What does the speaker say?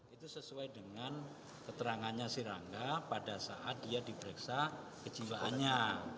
itu sesuai dengan keterangannya si rangga pada saat dia diperiksa kejiwaannya